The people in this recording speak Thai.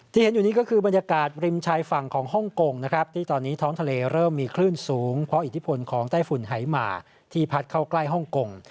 เห็นอยู่นี้ก็คือบรรยากาศริมชายฝั่งของฮ่องกงนะครับที่ตอนนี้ท้องทะเลเริ่มมีคลื่นสูงเพราะอิทธิพลของไต้ฝุ่นหายหมาที่พัดเข้าใกล้ฮ่องกง